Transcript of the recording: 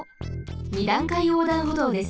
二段階横断歩道です。